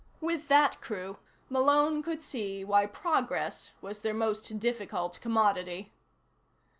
with that crew, Malone could see why progress was their most difficult commodity.